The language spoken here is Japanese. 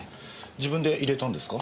自分で淹れたんですか？